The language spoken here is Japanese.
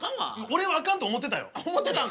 俺はあかんと思うてたよ。